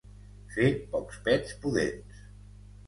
Fer pocs pets pudents.